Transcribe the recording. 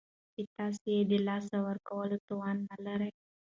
چې تاسو یې د لاسه ورکولو توان نلرئ